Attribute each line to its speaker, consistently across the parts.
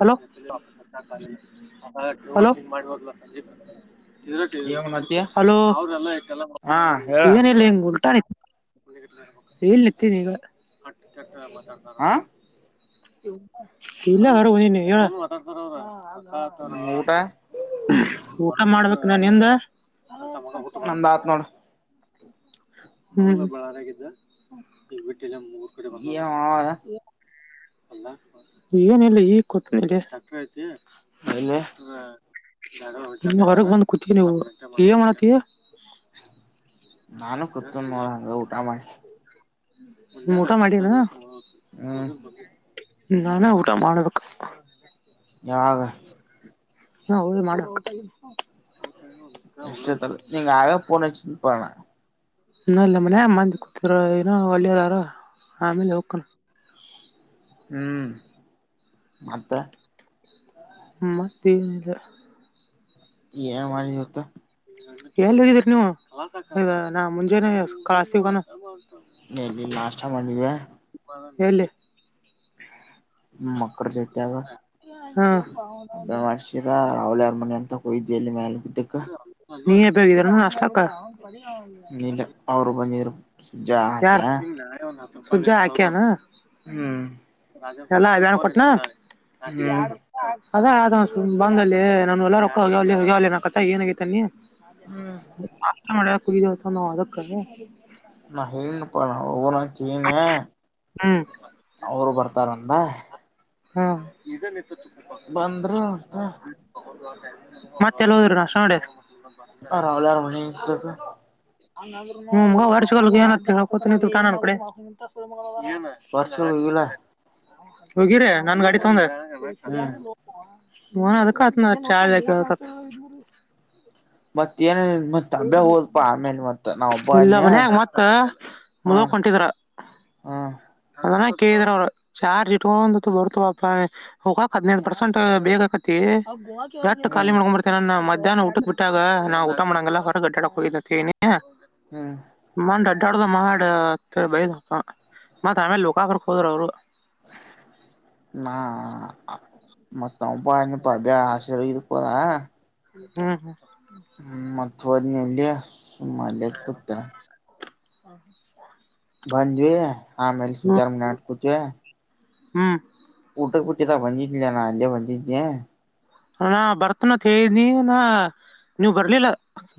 Speaker 1: Hello hello ಮಾಡುವಾಗವಾ ಸಂದೀಪ
Speaker 2: ಏನತಿ ಹಾ ಹೇಳ
Speaker 1: ಏನಿಲ್ಲಂಗ್ ಉಲ್ಟ ಈಗ ಮಾತಾಡ್ತಾರ
Speaker 2: ಹ
Speaker 1: ಇಲ್ಲ ಅವರ ನೀ ಹೇಳ ಹ
Speaker 2: ಊಟ
Speaker 1: ಊಟ ಮಾಡ್ಬೇಕು ನಾ ಎಂದ ಹಟ
Speaker 2: ನಂದ ಆತ್ ನೋಡ
Speaker 1: ಹ ಬಳಾರಾಗಿದ್ದ ಎಲ್ಲ ಮೂರ್ಕಡೆ ಬಂದ ಅಲ್ಲ ಏನಿಲ್ಲ ಈಗ್ ಕೊಟ್ಟ
Speaker 2: ಅಲೆ
Speaker 1: ಹೊರಗ್ ಬಂದ್ ಕುೂತೀ ನೀವು ಮಾಡತೀಯ
Speaker 2: ನಾನು ಕೊತ ನೋಡ ಹಂಗ ಊಟ ಮಾಡಿ
Speaker 1: ಮಖಾ ಮಾಡಟಲ್ಲ
Speaker 2: ಹ್ಮ್
Speaker 1: ನಾನೇ ಊಟ ಮಾಡ್ಬೇಕು
Speaker 2: ಯಾವಾಗ
Speaker 1: ಆ ಹೌದು ಮಾಡಬೇಕು
Speaker 2: ಕಷ್ಟದಲ್ಲಿಲ್ಲ ನೀಂಗ ಆಗ ಪಣ
Speaker 1: ಇ ಇಲ್ಲ ಮನ ಮಂದಿ ಕೂತಿರ ಏನ ಒಳ್ಳೆಯದಾರ ಆಮೇಲೆ ಹೋಗಕಣ ಹ
Speaker 2: ಹ್ಮಞ ಮತ್ತೆ
Speaker 1: ಮತ್ತೇನಿಲ್ಲ
Speaker 2: ಇ ಮಾಡಾರಿ ಇವತ್ತು
Speaker 1: ಎನ್ ಹೇಳಿದೀರಿ ನೀವು ಈಗ ನಾ ಮುಂಜೆನೆೇ ಕಾಸತಿಗಾನ [inaudible]
Speaker 2: ಎಲ್ಲಿ ನಾಷ್ಟ ಮಾಡಿವೆ
Speaker 1: ಎಲ್ಲಿು
Speaker 2: ಮಕ್ಕರ ಜೊತಾಗ
Speaker 1: ಹಾ
Speaker 2: ಅ ಮಾಡಸರ ರಾವಲ ಯರ ಮನೆ ಅಂತ ಒಯ್ದಲ್ಲಿ ಮೇಲೆಕ್ಕಿಟ್ಟಕ್ಕ
Speaker 1: ನೀ ಹೆ ಬೋಗ [unintelligible] ನಷ್ಟ ಅಕ್ಕ
Speaker 2: ನೀ ಇಲ್ಲ ಅವರು ಬಂದಿದ್ರು ಸುಜ್ಜಾ
Speaker 1: ಯಾರ
Speaker 2: ಹಾಕ್ಯ
Speaker 1: ಸುಜಾ ಹಾಕ್ಯನಾ
Speaker 2: ಹ್ಮ್
Speaker 1: ಎಲ್ಲ ನ್ ಕೊಟ್ನಾ
Speaker 2: ಹ್ಮ್
Speaker 1: ಅದ ಅದ ಬಂಗಲ್ಲಿ ನಾನ ಎಲ್ಲ ರೊಕ್ಕ ಹೋಗ ಹೋಗ ನ ಕಥ ಏನಗೈತನ್ನಿ
Speaker 2: ಹ್ಮ್
Speaker 1: ಮ ಕುಡ ತ ಆ ರಕ್ಕ [unintelligible]
Speaker 2: ನ ಹೇಳ ಪ [unintelligible] ೀನ [unintelligible]
Speaker 1: ಹ್ಮ್
Speaker 2: ಅವರು ಬರ್ತಾರಂದ
Speaker 1: ಹಾ
Speaker 2: ಬಂದ್ರ ಅಂತ
Speaker 1: ಮತ್ತೆಲ್ಲ ಹೋದ್ರು ನಾಶ ನಡೆ [unintelligible]
Speaker 2: ಹ ರಾವಲಾರ ಮತ [unintelligible]
Speaker 1: ಹ್ಮ ವರ್ಷಗಲ್ ಏನ ಕೊತರು ಕಾಣನ್ ಕಡೆ
Speaker 2: ಪರ್ಸಗಳು ಇಲ್ಲ
Speaker 1: [unintelligible] ಹೋಗಿರ ನನ್ ಗಾಡಿ ತಗೊಂಡೆ
Speaker 2: ಹ್ಮ್
Speaker 1: ಒದ ಕತನ ಚಾರ [unintelligible]
Speaker 2: ಮತ್ತ ಏನ್
Speaker 1: ಇಲ್ಲ
Speaker 2: ಅನ್ಯ
Speaker 1: ಮನ್ಯಾಗ ಮತ್ತ ಮದುವೆ
Speaker 2: ಹ್ಮ್
Speaker 1: ಕುಂಟಿದ್ರ [unintelligible]
Speaker 2: ಹ್ಮ್
Speaker 1: ಅದಾನ ಕೇಳಿದ್ರ ಅವರು ಚಾರ್ಜ್ ಇಟ್ ಒಂದು ಬರ್ತವಪ ಹೋಗಾಕ್ ಹದಿನೈದು ಪರ್ಸೆಂಟ್ ಬೇಕ ಹ [unintelligible] ಎಷ್ಟ ಖಾಲಿ
Speaker 2: ಹ್ಮ್
Speaker 1: ಮಾಡಕೊಂಡ್ ಬರ್ತೇ ನ ಮಧ್ಯನ ಊಟ ಬಿಟ್ಟಾಗ ನಾವುಊಟ ಮಾಡಡಂಗಲ್ಲ ಹೊರ ಗಡ್ಡ ಹೋಗಿದತವಿ ಹ
Speaker 2: ಹ್ಮ್
Speaker 1: ಮಂಡ ಅಡ್ಡಡದ ಮಾಡಡ ಬ [unintelligible] ಮತ್ ಆಮೇಲೆ ಲೋಕಕ್ಕೆ ಹೋದ್ರು ಅವರು
Speaker 2: ನಾ ಮತ್ತಬ ಅ ಆಶ [unintelligible] ಪ್ಪದಾ [unintelligible]
Speaker 1: ಹ್ಮ್ ಹ್ಮ್
Speaker 2: ಮಥವಾ [unintelligible] ನೀಲ ಸುಮಲೆ [unintelligible] ಕುುತ್ತ
Speaker 1: ಹ ಹ
Speaker 2: ಬಂದ್ವಿ ಆಮೇಲೆ ಸುಜಾರ ಮನೆಗೆ ಕೂತ್ವಿ
Speaker 1: ಹ್ಮ್
Speaker 2: ಊಟ ಕುಟ್ಟಿ ತಾ [unintelligible] ಬಂದಿದ್ದಲಯಾ ನಾ ಅಲ್ಲಿೇ ಬಂದಿದ್ದೇನೆ
Speaker 1: ಹ ನಾ [unintelligible] ಭರತನ ತನಿಣಾ [unintelligible] ನೀವ್ ಬರ್ಲಿಲ್ಲ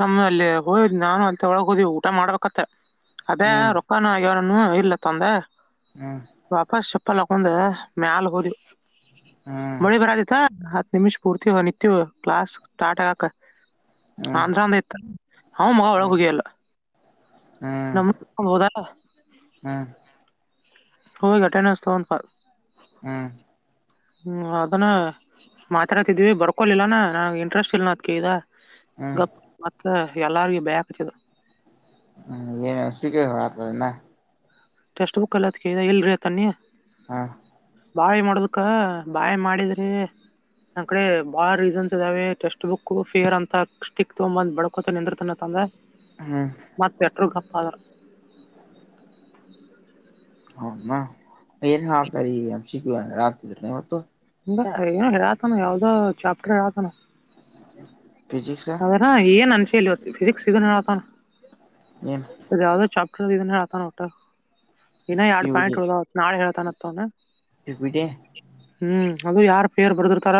Speaker 1: ನಮ್ಮ ಅಲ್ಲಿ ಹೋ ನಾನು ಅಂತ ಒಳಗ್ ಹೋದಿವ ಊಟ ಮಾಡ್ಬೇಕತ್ತ ಅದೇ
Speaker 2: ಹ್ಮ್
Speaker 1: ರೊಕ್ಕಾನ ಆಗ್ಯವಾರನು [unintelligible] ಇಲ್ಲ ತೊಂದೆ
Speaker 2: ಹ್ಮ್
Speaker 1: ವಾಪಸ್ ಪ್ಪಲ್ಲಾಕಂದೆ [unintelligible] ಮ್ಯಾಲ ಹೋದವು
Speaker 2: ಹ್ಮ್
Speaker 1: ಮಳಿ ಬರದಿತ್ತ ನಿಮಿಷ್ ಪೂರ್ತಿ ನಿತ್ಯವ ಕ್ಲಾಸ್ ಸ್ಟಾರ್ಟ್ ಆಗಕ
Speaker 2: ಹ್ಮ್ ಹ್ಮ್
Speaker 1: ಆಮ್ರ [unintelligible] ಅಂದ್ರ ಇತ್ತ ಅವ ಮಗ [unintelligible] ಒಳ
Speaker 2: ಹ್ಮ್
Speaker 1: ಹಗಿಯಲ್ಲ ನಮ್ಮಕೊಂಡ್ ಹದ
Speaker 2: ಹ್ಮ್
Speaker 1: ಅವುಂದೆ ಅಟೆಂಡೆನ್ಸ್ ತೊಗೊಂಡ ಪಾ
Speaker 2: ಹ್ಮ್
Speaker 1: ಹ್ಮ್ ಅದನ್ನ ಮಾತಾಡ್ತಿದೀವಿ ಬರ್ಕೊಲಿಲ್ಲಾನ ನನ ಇಂಟ್ರೆಸ್ಟ್ ಇಲ್ ಅದ್ಕ ಇದ
Speaker 2: ಹ್ಮ್
Speaker 1: ಗಪ್ಪ ಮತ್ತ ಎಲ್ಲಾರಗ ಬರ್ಯಕಚ್ಚಿದ
Speaker 2: ಹ್ಮ ಏನ ಸಿತದೆ
Speaker 1: ಟೆಕ್ಸ್ಟ್ ಬುಕ್ ಎಲ್ಲಿ ಅಂತ ಕೇಳಿದ ಇಲ್ಲ ಅಂತ ಅನ್ನಿ
Speaker 2: ಹಾ
Speaker 1: ಬಾಯಿ ಮಾಡದಕ್ಕ ಬಾಯಿ ಮಾಡಿದ್ರಿ ನನ್ ಕಡೆ ಬಾಳ ರೀಸನ್ಸ್ ಇದಾವೆ ಟೆಕ್ಸ್ಟ ಬುಕ್ ಫೇರ್ ಅಂತ ಸ್ಟಿಕ್ ತಗೊ ಬಂದ್ ಬಡ್ಕೊತಂದನ ತಂದ
Speaker 2: ಹ್ಮ್
Speaker 1: ಮತ್ತ ಪೆಟರು ಗಪ್ಪ ಆದಾರ
Speaker 2: ಹೌದನ ಏನ್ ಹಳಾತರ ಎಮ್ ಸಿ ಕ್ಯೂ ಹಳಾತಿದ್ರ ಇವತ್ತು
Speaker 1: ಏನೋ ಹೇಳತಾನ ಯಾವ್ದೋ ಚಾಪ್ಟರ್ ಹೇಳಾತನ.
Speaker 2: ಹ್ಮ
Speaker 1: ಅ ಏನ್ ಅನ್ಸಿಲ ಇತ್ತು ಫಿಸಿಿಕ್ಸ್ ಸಿಗತ
Speaker 2: ಏನ್
Speaker 1: ಯಾವ್ದ ಚಾಪ್ಟರ್ ಇದ ಹೇಳ್ತಾನ ಒಟ್ಟ ಇನ್ನ
Speaker 2: ಪಿ
Speaker 1: ಎರಡು
Speaker 2: ಯು ಡಿ
Speaker 1: ಪಾಯಿಂಟ್ ಉಳ್ದವ ನಾಳೆ ಹೇಳ್ತಾನತ್ತ ಅವನ
Speaker 2: [unintelligible]
Speaker 1: ಅದು ಯಾರ ಪೇರ್ ಬರ್ದಿರ್ತಾರ,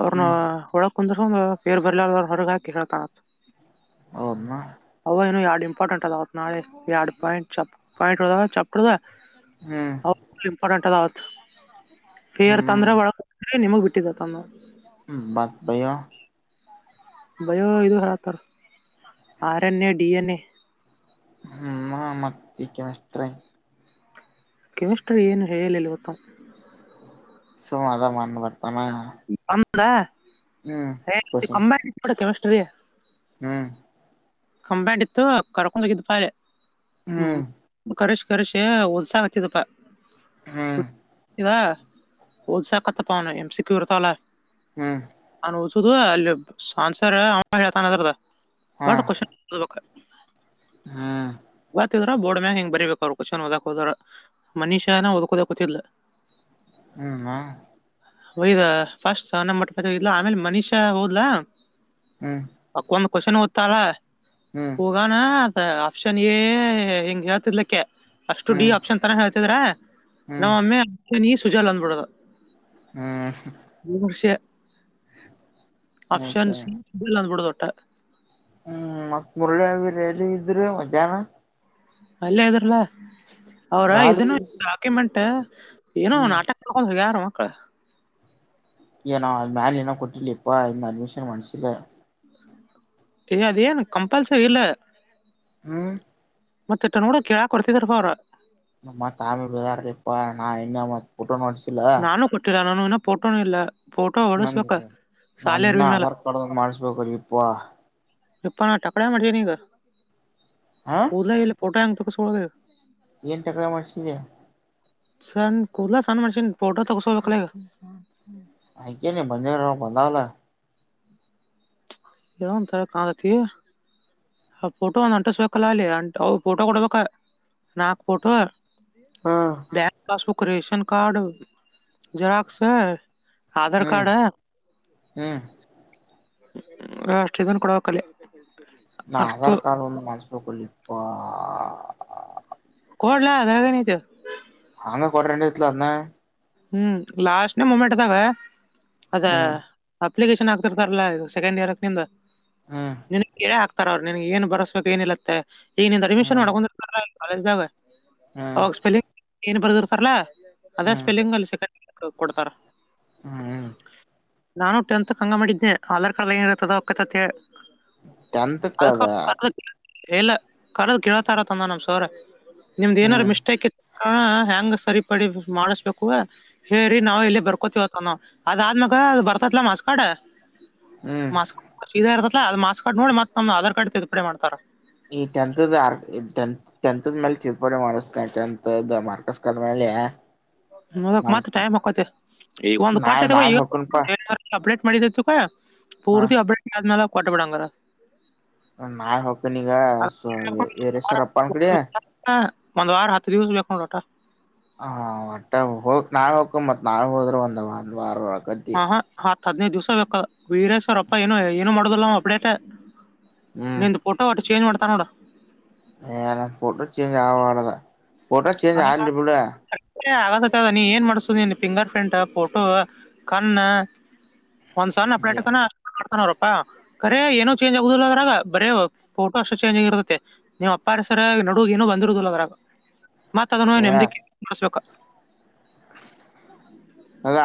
Speaker 1: ಅವ್ರನ್ನ
Speaker 2: ಹ್ಮ್
Speaker 1: ಒಳಕ್ ಕುಂದರ ಪೇರ್ ಬರ್ಲಲ್ ಹೊರಗಕ ಹೇಳ್ತ
Speaker 2: ಹೌದನಾ
Speaker 1: ಅವ ಏನು ಯಾಡ ಇಂಪಾರ್ಟೆಂಟ್ ಅದತ್ ನಾಳೆ ಎರಡು ಪಾಯಿಂಟ್ ಚಪ್ ಪಾಯಿಂಟ್ದ ಚಪ್ದ
Speaker 2: ಹ್ಮ್
Speaker 1: ಹೌ ಪುಲ್ಲ್ ಇಪೋರ್ಟೆಂಟ್ ಅ ಫೇರ್ ತಂದ್ರ
Speaker 2: ಹ್ಮ್
Speaker 1: ಒಳಗ ನಿಮಗ್ ಬಿಟ್ಟಿದ ಅಂತ
Speaker 2: ಮತ್ ಭಯ
Speaker 1: ಬಯೋ ಇದು ಹಳಾತಾರ R N A, D N A.
Speaker 2: ಹ್ಮ ಮತ [inaudible]
Speaker 1: ಕೆಮಿಸ್ಟ್ರಿ ಏನು ಹೇಳಲಿಲ್ಲ ಇತ್ತ ಅವ
Speaker 2: ಸೊ ಅದ ಮಂದು ಬತಾನ
Speaker 1: ಕಂಬೈನ್ಡ್ ಕೆಮಿಸ್ಟ್ರಿ
Speaker 2: ಹ್ಮ್
Speaker 1: ಕಂಬ್ಯಾಂಡ್ ಇತ್ತು. ಕರ್ಕೊಂಡ ಹೋಗಿದ್ದ್ ಪಾ ಅಲೈ ಹ್ಮ್ ಕರಿಷೆ ಒದ್ಸ ಹಚ್ಚಿದಪ್ಪಾ.
Speaker 2: ಹ್ಮ್
Speaker 1: ಹೊಲ್ಸಾ ಕತ್ತ ಪಾನ ಎಮ್ಸಿ ಕ್ಯೂ ಇರವತಾಲ
Speaker 2: ಹ್ಮ್
Speaker 1: ಒದ್ಸಸುದು ಅಲ್ಲಿ ಆನ್ಸರ್ ಹೇಳತನ
Speaker 2: ಹಾ
Speaker 1: ಬಟ್ ಕೊಷನ
Speaker 2: ಹ್ಮ್
Speaker 1: [unintelligible] [inaudible] ಬೋಡ್ ಮಾಗ ಹೆಂಗ ಬರಿಬೇಕ ಅವ್ರರು ಕೊಷನ್ ಓದಾಕ ಹೋದ್ರ ಮನಿಷಾ ನ ಓದ್ಕೋದಕೊತ್ತಿಲ್ಲ.
Speaker 2: ಹ್ಮ
Speaker 1: ಒಯದ ಫಸ್ಟ್ ಸಹಾನ ಮಟ್ಟಪತಿ ಇಲ್ಲ ಆಮೇಲೆ ಮನಿಷಾ ಹೋದಲಾ
Speaker 2: ಹ್ಮ್
Speaker 1: ಕೊಷನ ಒದನ್ದತ ಅಲ್ಲ
Speaker 2: ಹ್ಮ್
Speaker 1: ಹೊಗಾನ ಕೊಶನಿಗೆ ಎಂಗ ಯಾತಲ್ಲಕ್ಕ. ಅಷ್ಟು ಡಿ
Speaker 2: ಹ್ಮ್
Speaker 1: ಆಪ್ಷನ್ ತರ ಹೇಳ್ತಿದ್ರೆ
Speaker 2: ಹ್ಮ್
Speaker 1: ನಮ್ಮಮ್ಮೆ ನೀ ಸುಜಾಲ್ ಬಂದ್ಬಿಡೋದು
Speaker 2: ಹ್ಮ್
Speaker 1: ಆಪ್ಷನ್ ಸಿ ಸುಜಲ್ ಅಂದಬಿಡೊದ
Speaker 2: ಹ್ಮ್ ಮತ್ ಮುರುಳಿ ಎಲ್ಲಿ ಇದ್ರೆ ಮಧ್ಯಾನ
Speaker 1: ಅಲ್ಲೇ ಇದ್ರಲಾ, ಅವ್ರ
Speaker 2: ಬಾಳ
Speaker 1: ಇದನ್ನ ಡಾಕ್ಯುಮೆಂಟ್ ಏನೋ
Speaker 2: ಹ್ಮ್
Speaker 1: ನಾಟಕ ಮಾಡಿಕೊಂಡಿತು ಹೊಗ್ಯಾರ ಮಕ್ಕಳ.
Speaker 2: ಏ ನಾ ಮಲೆ ಏನ ಕೊಟ್ಟಿಲ್ಲ ಇಪ್ಪ ಅಡ್ಮಿಷನ್ ಮಾಡ್ಸಿಲ್ಲ
Speaker 1: ಏ ಅದ ಏನ್ ಕಂಪಲ್ಸರಿ ಇಲ್ಲ.
Speaker 2: ಹ್ಮ
Speaker 1: ಮತ್ತ ಇಟ್ಟ ಅನ್ನೋಡ್ದ ಕೇಳಕ್ ಕೊಡ್ತಿದ್ರ ಅವ್ರ
Speaker 2: ನಮ್ಮ ತಾಮಿ ಬಿಾರ ಇಪ್ಪ ನಾ ಇನ್ನಮ್ಮ ಟ್ಟ [unintelligible]
Speaker 1: ನಾನು ಕೊಟ್ಟಿಲ್ಲ ನಾನು ಇನ್ನೂ ಫೋಟೋನ ಇಲ್ಲ ಫೋಟೋ
Speaker 2: ನ
Speaker 1: ಹೊಡಸ್ಬೇಕ
Speaker 2: ನಾ
Speaker 1: ಸಾಲಿ
Speaker 2: ಇನ್ನ
Speaker 1: ಅರ್ವಿ ಮೇಲೆ
Speaker 2: ಆಧಾರ್ ಕಾರ್ಡ್ ಮಾಡಿಸ್ಬೇಕ್ರೀಪ್ಪ
Speaker 1: ಯಪ್ಪ ನಾ ಟಕಳ್ಯಾ ಮಾಡಿನಿ ಈಗ
Speaker 2: ಹ
Speaker 1: ಕೂದ್ಲ ಇಲ್ಲ ಪೋಟೋ ಹೆಂಗ ತಗಸ್ಗೋದೀಗ
Speaker 2: ಏನ್ ಟಕ್ಳ್ಯಾ ಮಾಡ್ಸಿದಿ
Speaker 1: ಸಣ್ ಕೂದ್ಲ ಸಣ್ ಮಾಡ್ಷೇನಿ ಪೋಟೋ ತಗಸ್ಗೋಬೇಕ್ಲ ಈಗ
Speaker 2: ಆಯ್ಕೆನಿ ಬಂದಿಲ್ಲ ಬಂದಾವಲ್ಲ
Speaker 1: [unintelligible] ಆ ಫೋಟೋ ಒಂದ್ ಅಂಟಿಸ್ಬೇಕಲ್ಲ ಅಲ್ಲಿ ಅಂಟ ಅವ ಫೋಟೋ ಕೊಡ್ಬೇಕ ನಾಕ್ ಫೋಟೋ
Speaker 2: ಹ್ಮ್
Speaker 1: bank passbook ration card xerox Aadhaar
Speaker 2: ಹ್ಮ್
Speaker 1: ಕಾರ್ಡ್
Speaker 2: ಹ್ಮ್
Speaker 1: ಅಷ್ಟ ಇದನ್ ಕೊಡಬೇಕಲ್ಲೇ.
Speaker 2: ನಾ ಆಧಾರ್ ಕಾರ್ಡ್ ಒಂದು ಮಾಡಸ್ಬೇಕುಲ್ಲೇಪ್ಪಾ.
Speaker 1: ಕೋಡ್ಲಾ ಅದ್ರಾಗೇನೈತಿ
Speaker 2: ಹಂಗ ಕೊಟ್ರ ಏನ್ ಇತ್ಲ ಅದ್ನ
Speaker 1: ಹ್ಮ್ ಲಾಸ್ಟ್ ನೇ ಮೂಮೆಂಟ್ದಾಗ ಅದ
Speaker 2: ಹ್ಮ್
Speaker 1: ಅಪ್ಲಿಕೇಶನ್ ಹಾಕ್ತಿರ್ತಾರಲ್ಲ ಸೆಕೆಂಡ್ ಇಯರ್ಕ ನಿಂದ
Speaker 2: ಹ್ಮ್
Speaker 1: ನಿನಗ ಕೇಳೆ ಹಾ ತಾರ ಅವ್ರ ನಿನ್ಗ್ ಏನ್ ಬರ್ಸ್ಬೇಕ್ ಏನ ಇಲ್ಲತ್ತ ಈಗ ನಿಂದ ಅಡ್ಮಿಷನ್
Speaker 2: ಹ್ಮ್
Speaker 1: ಮಾಡಕೊಂಡಿರ್ತಾರಲ್ಲ ಕಾಲೇಜ್ದಾಗ
Speaker 2: ಹ್ಮ್
Speaker 1: ಅವಾಗ ಸ್ಪೆಲ್ಲಿಂಗ್ ಏನ್ ಬರೆದಿರ್ತಾರಲಾ ಅದೇ
Speaker 2: ಹ್ಮ್
Speaker 1: ಸ್ಪೆಲ್ಲಿಂಗ್ ಅಲ್ಲಿ ಸೆಕಂಡ್ ಕೊಡ್ತಾರ.
Speaker 2: ಹ್ಮ್ ಹ್ಮ
Speaker 1: ನಾನು ಟೆಂತ್ತಕ್ಕ ಹಂಗ ಮಾಡಿದ್ನೆ ಆಧಾರ್ ಕಾರ್ಡ್ ಏನಿರುತ್ತದ ಅಕ್ಕತ ಅಂತ್ಹೇಳಿ
Speaker 2: ಟೆಂತ್ತಕ್ಕದ
Speaker 1: ಏನಿಲ್ಲ ಕರದು ಕೇಳತಾರತಂದ ನಮ್ ಸರ ನಿಮ್ದ್ ಏನಾರ
Speaker 2: ಹ್ಮ್
Speaker 1: ಮಿಸ್ಟೇಕ್ ಇತ್ ಹಾ ಹೆಂಗ್ ಸರಿಪಡಿ ಮಾಡಿಸ್ಬೇಕ್ ಕೂ ಹೇಳ್ರಿ ನಾವು ಇಲ್ಲಿ ಬರ್ಕೋತಿವತ್ತ ಅಂದ್ನವ ಅದಾದ್ಮ್ಯಾಗ ಬರ್ತೈತ್ಲಾ ಮಾರ್ಸ್ಕಾಡ
Speaker 2: ಹ್ಮ್
Speaker 1: ಮಾಸ್ ಇದ ಇರ್ತಲ ಅದ ಮಾರ್ಸ್ ಕಾರ್ಡ್ ನೋಡಿ ಮತ್ತ ನಮ್ದ ಆಧಾರ್ ಕಾರ್ಡ್ ತಿದ್ದಪಡೆ ಮಾಡ್ತಾರ
Speaker 2: ಈ ಟೆಂತದ್ದ ಆರ್ ಟೆಂತದ್ದ ಮೇಲ್ ತಿದ್ದುಪಡಿ ಮಾಡಿಸ್ತೀನಿ ಟೆಂತದ್ದು ಮಾರ್ಕಸ್ ಕಾರ್ಡ್ ಮ್ಯಾಗ ಹೆ
Speaker 1: ಅದಕ್ ಮತ್ತ ಟೈಮ್ ಹೊಕ್ಕತಿ ಈಗ ಒಂದು ಕೊಟ್ಟೆ
Speaker 2: ನಾಳೆ
Speaker 1: ತಗೋ
Speaker 2: ನಾಳೆ ಹೊಕನ್ಪಾ
Speaker 1: ಅಪ್ಡೇಟ್ ಮಾಡೀದಿ ತುಗೋ
Speaker 2: ಹ
Speaker 1: ಪೂರ್ತಿ ಅಪ್ಡೇಟ್ ಆದ ಮ್ಯಾಲ ಕೊಟ್ಟುಬಿಡು ಹಂಗಾರ
Speaker 2: ನಾಳೆ ಹೋಕ್ಕನೀಗ ಸ ಈರೇಶಾರಪ್ಪಾನ ಕಡೆ
Speaker 1: ಒಂದ್ [unintelligible]
Speaker 2: ಹೋಗ್ ನಾಳೆ ಹೊಕ್ಕನ್ ಮತ್ತ ನಾಳೆ ಹೋದ್ರ ಒಂದು ಒಂದು ವಾರ ಒಳಕತಿ
Speaker 1: ಹಾ ಹ ಹತ್ ಹದ್ನೈದು ದಿವ್ಸ ಬೇಕ ವೀರೇಶ್ ಅವರಪ್ಪ ಏನು ಏನು ಮಾಡುದಿಲ್ಲ ಅಪ್ಡೇಟ ನಿಂದು ಫೋಟೋ ಒಟ್ಟ ಚೇಂಜ್ ಮಾಡ್ತಾನ್ ನೋಡ
Speaker 2: ಏ ಫೋಟೋ ಚೇಂಜ್ ಆಗಬಾಡ್ದ ಫೋಟೋ ಚೇಂಜ್ ಆಗ್ಲಿ ಬಿಡ
Speaker 1: ಆಗತೈತಿ ನೀ ಏನ್ ಮಾಡಸೂದ್ ನೀ ಫಿಂಗರ್ ಪ್ರಿಂಟ್ ಫೋಟೋ ಕಣ್ಣ ಒಂದ್ ಸಣ್ಣ ಅಪ್ಡೇಟ್ ಕನ ರೊಕ್ಕ ಕರೆ ಏನೂ ಚೇಂಜ್ ಆಗುದಿಲ್ಲ ಅದ್ರಾಗ ಬರೇ ಫೋಟೋ ಅಷ್ಟ ಚೇಂಜ್ ಆಗಿರುತ್ತೆ ನೀವ ಅಪ್ಪಾರ ಸರಿ ನಡುದು ಏನ ಬಂದಿರುದಿಲ್ಲ ಅವರಾಗ ಮತ್ ಅದನ್ನು
Speaker 2: ಏ
Speaker 1: ನೆಮದಿಕ್ಕೆಸ್ಬೇಕ
Speaker 2: ತಗ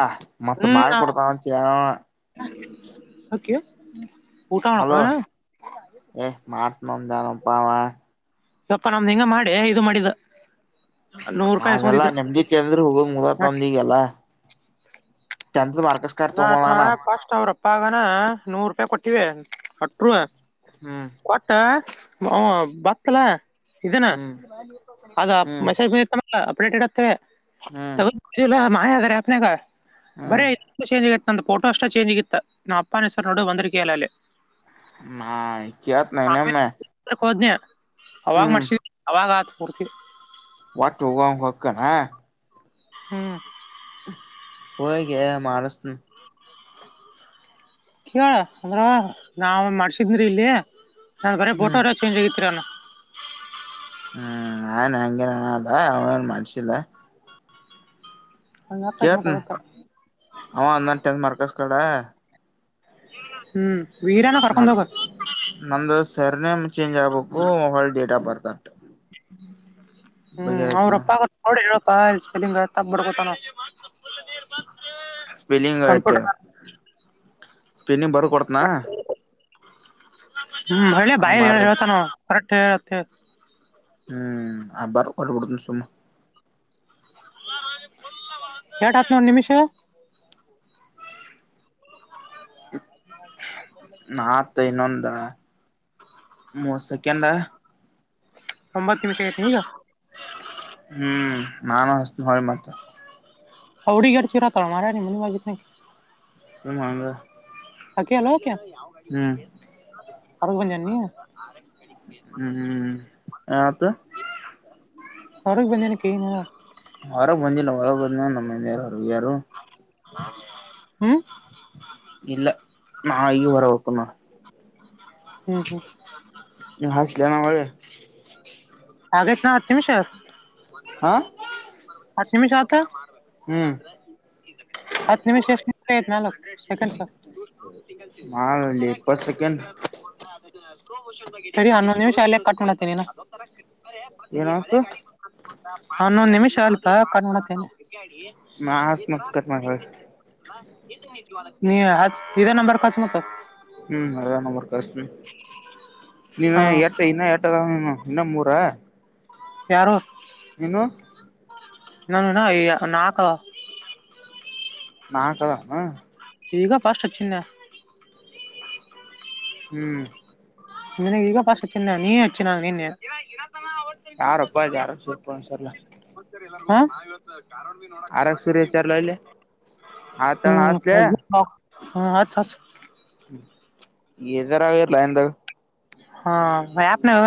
Speaker 2: ಮತ್ತ ಮಾಡಿ ಕೊಡ್ತಾನಂತೀಯ
Speaker 1: ಹಕ್ಕಿ
Speaker 2: ಹಲೋ ಏ ಮಾಡ್ತನಂದಾನಪಾ ಅವ
Speaker 1: ಎಪ್ಪಾ ನಮ್ದ್ ಹಿಂಗ ಮಾಡಿ ಇದು ಮಾಡಿದ ನೂರ್ ರೂಪಾಯಿ
Speaker 2: ಅದೆಲ್ಲ
Speaker 1: ಇಸ್ಕೊಂಡಿದ್ದ
Speaker 2: ನೆಮ್ದೀ ಕೇಂದ್ರಕ್ ಹೋಗೋದು ಮುಗ್ದತ್
Speaker 1: ನಾ
Speaker 2: ನಮ್ದೀಗೆಲ್ಲ ಮ
Speaker 1: ನಾ ತಮ್ಮ ಫಸ್ಟ್ ಅವ್ರಪ್ ಪ್ಪಾಗನ ನೂರು ರೂಪಾಯಿ ಕೊಟ್ಟೀವೀ ಅಟ್ರೂ
Speaker 2: ಹ್ಮ್
Speaker 1: ಕೊಟ್ಟ ಹ ಬತ್ತಲಾ ಇದನಾ
Speaker 2: ಹ್ಮ್
Speaker 1: ಆ
Speaker 2: ಹ್ಮ್
Speaker 1: ಮತ್ತ ಅಪ್ಡೇಟ್ ಇ
Speaker 2: ಹ್ಮ್
Speaker 1: ತಗ ಮಾಯ ಅದ ರ ಅನಗ ಬರ
Speaker 2: ಹ್ಮ್
Speaker 1: ಚೇಂಜ ಆಗಿ ನ ಫೋಟೋ ಅಷ್ಟ ಚೇಂ ಆಗಿತ್ತ ನಾ ಅಪ್ಪ ಹೆ ಸ ನೋಡಿ ಬಂದಿಕ್ಕೆಲ್ಲ ಅಲ್ಲಿ
Speaker 2: ನ ಕತ ನ ನ ಮ
Speaker 1: ಹೋದ್ನ ಅವಾಗ ಮಾಡ್ಸಿದ ಅವಾಗ ಆತ ಮೂರ್ತಿ
Speaker 2: ಒಟ್ ಹೋಗ ಹಕ್ಕಣ
Speaker 1: ಹ್ಮ್
Speaker 2: ಹಯಗ ಮಾರಸ್ನು
Speaker 1: ಕೇಳ ಅಂದ್ರ ನಾವ ಮಾಡಸಿದ್ರಿ ಇಲ್ಲಿ ನ ಬರ
Speaker 2: ಹ್ಮ್
Speaker 1: ಬೋಟೋರ ಚಂಜ್ ಆಗಿರಾ
Speaker 2: ಹ್ಮ್ ಆನ್ ಅಂಗ ಅಾ ಅವನನು ಮನಸಿಲ್ಲ
Speaker 1: ಹಂಗಾಕತ್
Speaker 2: ಕತ್
Speaker 1: ಮತ್ತ ಅದಕ್ಕ
Speaker 2: ಅವ ಅಂದಾನಟೆ ಮಾರ್ಕಸ್ ಕಡೆ
Speaker 1: ಹ್ಮ್ ವೀರನ
Speaker 2: ನ
Speaker 1: ಕರ್ಕೊಂಡ್ ಹೋಗ
Speaker 2: ನಂದು ಸರ್ ನೇಮ್ ಚೇಂಜ್ ಆಗ್ಬೇಕು ಮೊಬಲ್ ಡೇಟ್ ಆಫ್ ಬರ್ತ್ ಅಟ್ ಬಗೆ
Speaker 1: ಹ್ಮ್
Speaker 2: ಆಯ್ತ್ ನೋಡ್
Speaker 1: ಅವ್ರಪ್ಪ ಬ ಸ್ಪಲಿಂಗ್ ತಗಬರ್ಕೊತಾನ
Speaker 2: ಸ್ಪಿಲ್ಲಿಂಗ್ ಸ್ಪಿಲ್ಲಿಂಗ್ ಬರ್ ಕೊಡತನಾ
Speaker 1: ಹ್ಮ್ ಮಳ್ಳಿ ಬಾಯ ಹೇಳ
Speaker 2: ಮಾಡ್ರಿ
Speaker 1: ಹೇಳ್ತಾನ ಕರೆಕ್ಟ್ ಹೇಳ
Speaker 2: ಹ್ಮ್ ಅಬರ್ ಕೊಳಬಡ್ನ ಸುಮ್ಮ
Speaker 1: ಎಟ ಹತ್ನೂರು ನಿಮಿಷ
Speaker 2: ನತ್ ಇನ್ನೊಂದು ಮುತ್ ಸೆಕೆಂಡ
Speaker 1: ಅಂಬರ್ ತಿಮಿಷಗತಿ ಹಗ
Speaker 2: ಹ್ಮ್ ನಾನು ಹಸ ಹೊಿ ಮಾಡ್ತ
Speaker 1: ಹೌಡಿ ಗಡ ಚಿರತಳ ಮಾರ ನೀ ಮನೆ ಬಾಗಿ
Speaker 2: ರಮಾನ
Speaker 1: ಕೆಲೋ ಅಗ ಬನ್ ಜೀ
Speaker 2: ಹ್ಮ್ ಹ್ಮ್ ಆತ್ತ
Speaker 1: ಹೊರಿಗೆ ಬಂದೇನ ಕನು
Speaker 2: ಮರ ಬಂದಿಲ್ಲ ಹೊರ ಬಂದ ನಮ್ಮ ಹೊರಗ್ಯಾರು
Speaker 1: ಹ್ಮ
Speaker 2: ಇಲ್ಲ ನ ಈಗ ಹೊರ ವೆಕ್ಕನ್ನ
Speaker 1: ಹ್ಮ್ ಹ್ಮ್
Speaker 2: ಹಾಸಲನ ಮಾಡೆ
Speaker 1: ಆಗತ್ನಾ ಹತ್ತು ನಿಮಿಷ
Speaker 2: ಹಾ
Speaker 1: ಹತ್ತು ನಿಮಿಷತ
Speaker 2: ಹ್ಮ್
Speaker 1: ಹತ್ತು ನಿಮಿಷಷ್ಟ ಆಯ್ತು ನಲ್ು ಸೆಕೆಂಡ್ಸ ಸಿಗಲ್ಸಿದಿಲ್ಲ
Speaker 2: ಮಾಡಲ್ಲಿ
Speaker 1: ಒಂತರ
Speaker 2: ಇಪ್ಪತ್ ಸೆಕೆಂಡ್
Speaker 1: ಸರಿ ಹನ್ನೊಂದು್ ನಿಮಿಷ ಅಲ್ಲ ಕಟ್ ಮಾಡ್ತೇನ
Speaker 2: ಏನಾಯ್ತು
Speaker 1: ಹನ್ನೊಂದ್ ನಿಮಿಷ ಅಲ್ಪಾ ಕಂಡ ನೋಡತೇನೆ
Speaker 2: ನಾ
Speaker 1: ಈ
Speaker 2: ಹಚ್ಚತಿನಿ
Speaker 1: ತರ
Speaker 2: ಮತ್ ಕಟ್ ಮಾಡಿ ಹೊಳ್ಳಿ
Speaker 1: ನೀ ಆ ರರೆ ನಂಬರ್ ಪಚ ಮತ
Speaker 2: ಹ್ಮ್ ಅದ ನಂಬರ್ ಕಷ್ಟ ಇನ್ನ
Speaker 1: ಹಾ
Speaker 2: ಎ ಇನ್ನ ಎಟ್ಟದನು ಇನ್ನ ಮೂರ
Speaker 1: ಪ್ಯಾರಸ್
Speaker 2: ಏನು
Speaker 1: ನ ನ ಈ ನಾಕ
Speaker 2: ನಾಕದ
Speaker 1: ಈಗ ಫಾಸ್ಟ್ ಹಚ್ಚಂದ
Speaker 2: ಹ್ಮ್
Speaker 1: ನಿ ಈಗ ಪಸ್ಟ್ ಚ ನೀಚ್ಚಿನ ನೀನ್ನೆ
Speaker 2: ಯಾರೊಪ್ಪ ಇದ ಯಾರು ಸೂರ್ ಫೋನ್ ಹಚ್ಚಾರ ಲ್
Speaker 1: ಹಾ [unintelligible]
Speaker 2: ಸೂರ್ಯ ಹಚ್ಚಾರಲ್ಲ ಇಲ್ಲಿ
Speaker 1: ಹ್ಮ
Speaker 2: ಆತಣ ಹಚ್ಲೆ
Speaker 1: ಹ್ಮ ಹಚ್ ಹಚ್
Speaker 2: ಇದರಾಗ ಏರ್ ಲೈನ್ದಾಗ
Speaker 1: ಹಾ ಮ್ಯಾಪ್ ನ್ಯಾಗ